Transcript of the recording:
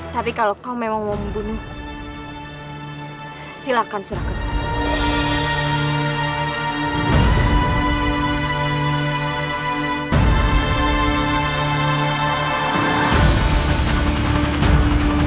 tapi kalau kau memang mau membunuhku silakan suruh aku